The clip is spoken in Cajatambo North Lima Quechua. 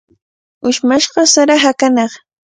Ushmashqa sara hakanaq.